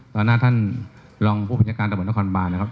เนื่องได้สงการทางททันทะนายสงการ